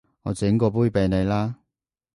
我整過杯畀你啦